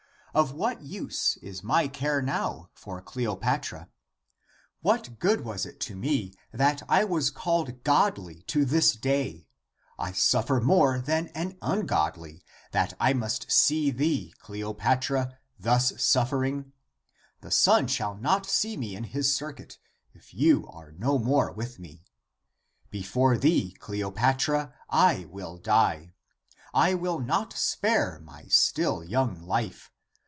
Of what use is my care now for Cleopatra ? What good was it to me, that I was called godly to this day ? I suffer more than an ungodly, that I must see thee, Cleopatra, thus suffering. The sun shall not see me in his circuit, if you are no more with me. Before thee, Cleo patra, I will die. I will not spare my still young life.